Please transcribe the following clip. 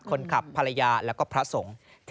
คนขับภรรยาและก็พระสงฆ์